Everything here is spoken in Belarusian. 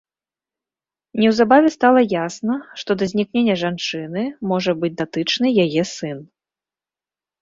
Неўзабаве стала ясна, што да знікнення жанчыны можа быць датычны яе сын.